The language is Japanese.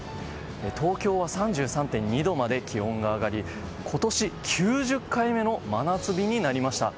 東京は３３．２度まで気温が上がり今年９０回目の真夏日になりました。